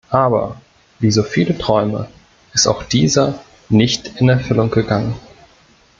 Aber, wie so viele Träume, ist auch dieser nicht in Erfüllung gegangen.